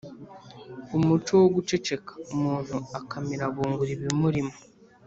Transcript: umuco wo guceceka umuntu akamira bunguri ibimurimo.